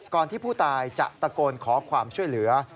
ที่ผู้ตายจะตะโกนขอความช่วยเหลือ